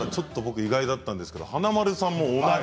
意外だったんですが華丸さんも同じ。